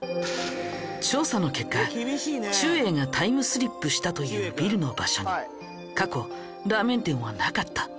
調査の結果ちゅうえいがタイムスリップしたというビルの場所に過去ラーメン店はなかった。